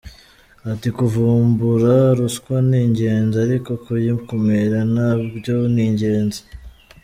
Ati “Kuvumbura ruswa ni ingenzi ,ariko kuyikumira na byo ni ingenzi.